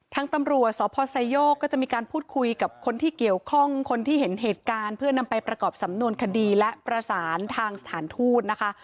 ทางตำรวจสพไซโยกก็จะมีการพูดคุยกับคนที่เกี่ยวข้องคนที่เห็นเหตุการณ์เพื่อนำไปประกอบสำนวนคดีและประสานทางสถานทูตนะคะ